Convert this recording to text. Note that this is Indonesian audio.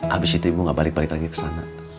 abis itu ibu gak balik balik lagi kesana